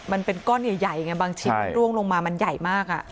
มันเป็นก้อนใหญ่ไงบางชิ้นมันร่วงลงมามันใหญ่มาก